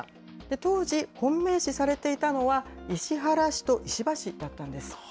当時、本命視されていたのは、石原氏と石破氏だったんです。